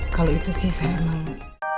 kalau itu sih saya mau